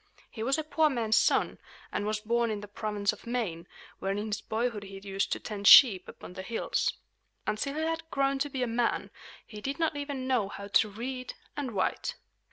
He was a poor man's son, and was born in the province of Maine, where in his boyhood he used to tend sheep upon the hills. Until he had grown to be a man, he did not even know how to read and write.